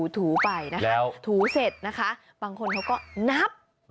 ถูไปนะคะถูเสร็จนะคะบางคนเขาก็นับ